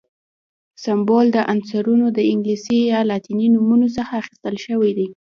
سمبول د عنصرونو د انګلیسي یا لاتیني نومونو څخه اخیستل شوی دی.